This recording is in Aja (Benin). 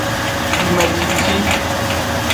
Yumecici.